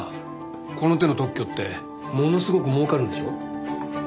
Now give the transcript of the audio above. この手の特許ってものすごく儲かるんでしょ？